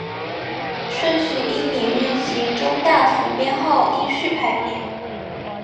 顺序依领域及中大服编号依序排列。